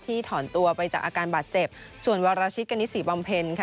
ที่ถอนตัวไปจากอาการบาดเจ็บส่วนวารชิตกณิตศรีบอมเพลค่ะ